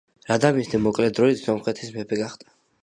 რადამისტი მოკლე დროით სომხეთის მეფე გახდა.